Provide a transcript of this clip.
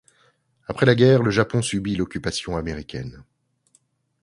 Après la guerre, le Japon subit l'occupation américaine.